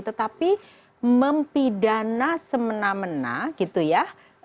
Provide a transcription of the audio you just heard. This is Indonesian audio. tetapi mempidana semena mena gitu ya